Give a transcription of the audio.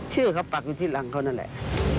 ชื่อเขาปักอยู่ที่รังเขานั่นแหละ